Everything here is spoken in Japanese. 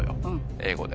英語で。